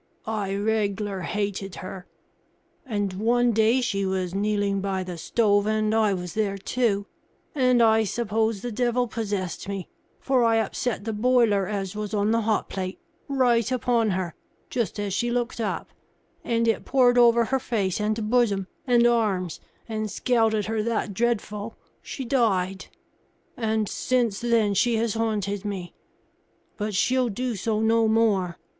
I reg'lar hated her. And one day she was kneeling by the stove, and I was there, too, and I suppose the devil possessed me, for I upset the boiler as was on the hot plate right upon her, just as she looked up, and it poured over her face and bosom, and arms, and scalded her that dreadful, she died. And since then she has haunted me. But she'll do so no more.